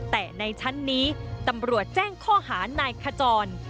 แต่ในชั้นนี้ตำรวจแจ้งข้อหานายขจร